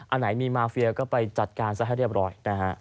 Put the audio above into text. อันไหนมีมาเฟียก็ไปจัดการซะให้เรียบร้อยนะฮะ